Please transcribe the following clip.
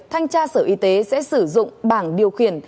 thanh tra sở y tế sẽ sử dụng bảng điều khiển